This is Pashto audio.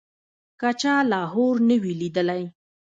که چا لاهور نه وي لیدلی.